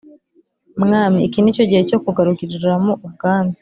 Mwami iki ni cyo gihe cyo kugaruriramo ubwami